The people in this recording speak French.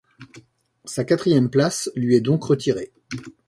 Sa quatrième place lui est donc retirée.